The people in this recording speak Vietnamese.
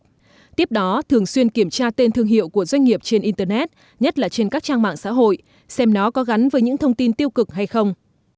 các doanh nghiệp tiếp đó thường xuyên kiểm tra tên thương hiệu của doanh nghiệp trên internet nhất là trên các trang mạng xã hội xem nó có gắn với những thông tin tiêu cực hay không